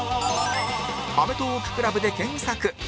「アメトーーク ＣＬＵＢ」で検索